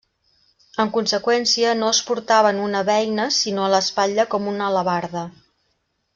En conseqüència, no es portava en una beina sinó a l'espatlla com una alabarda.